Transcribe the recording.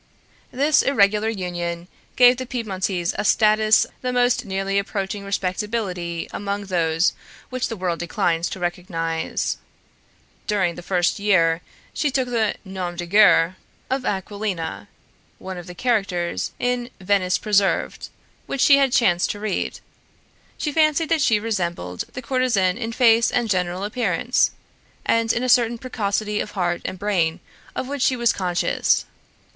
This irregular union gave the Piedmontese a status the most nearly approaching respectability among those which the world declines to recognize. During the first year she took the nom de guerre of Aquilina, one of the characters in Venice Preserved which she had chanced to read. She fancied that she resembled the courtesan in face and general appearance, and in a certain precocity of heart and brain of which she was conscious.